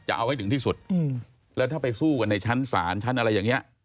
จะเอาให้ถึงที่สุดแล้วถ้าไปสู้กันในชั้นศาลชั้นอะไรอย่างนี้